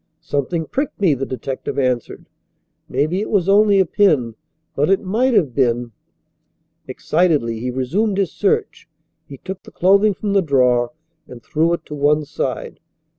"Something pricked me," the detective answered. "Maybe it was only a pin, but it might have been " Excitedly he resumed his search. He took the clothing from the drawer and threw it to one side.